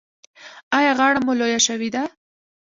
ایا غاړه مو لویه شوې ده؟